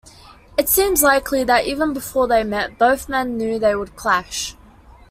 It seems likely that even before they met both men knew they would clash.